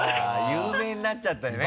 有名になっちゃったんだね